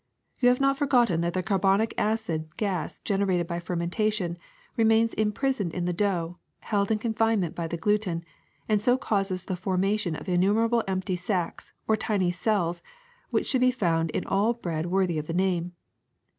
You have not forgotten that the carbonic acid gas generated by fermentation remains imprisoned in the dough, held in confinement by the gluten, and so causes the formation of innum erable empty spaces or tiny cells which should be found in all bread worthy of the name.